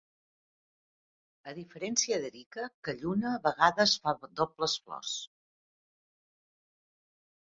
A diferència d'"Erica", "Calluna" a vegades fa dobles flors.